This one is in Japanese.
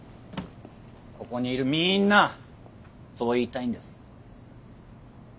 ここにいるみんなそう言いたいんです。